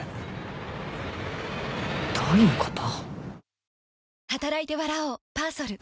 どういうこと？